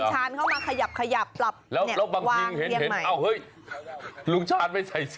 ใช่อันนั้นลุงชาญ